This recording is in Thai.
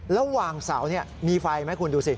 ระหว่างเสามีไฟไหมคุณดูสิ